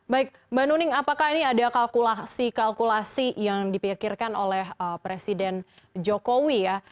baik mbak nuning apakah ini ada kalkulasi kalkulasi yang dipikirkan oleh presiden jokowi ya